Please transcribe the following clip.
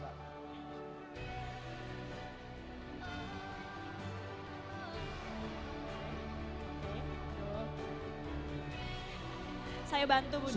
saya bantu bu dya